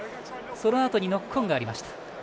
そのあとにノックオンがありました。